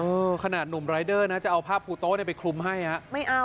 เอ้อขนาดหนุ่มรายเจอร์นะจะเอาผ้าผู้โต๊คไปคุมให้